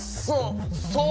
そう！